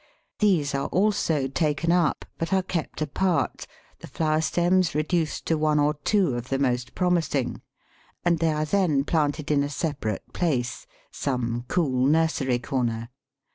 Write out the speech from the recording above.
These are also taken up, but are kept apart, the flower stems reduced to one or two of the most promising, and they are then planted in a separate place some cool nursery corner.